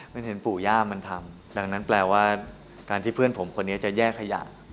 มันเห็นปู่ย่ามันทำดังนั้นแปลว่าการที่เพื่อนผมคนนี้จะแยกขยะ